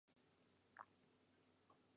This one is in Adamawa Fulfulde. An boo rawaandu, ko ɓii-Aadama waɗi ma?